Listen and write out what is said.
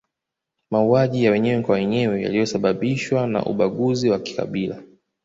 Mauaji ya wenyewe kwa wenye yaliyosababishwa na ubaguzi wa kikabila